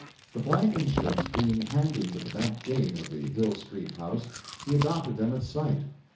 The Blankenships being handy to the back gate of the Hill Street house, he adopted them at sight.